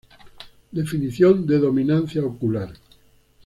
Definición de dominancia ocular